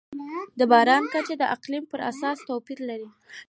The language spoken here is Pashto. د باران کچه د اقلیم پر اساس توپیر لري.